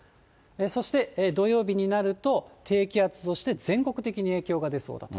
そして土曜日になると、低気圧として、全国的に影響が出そうだと。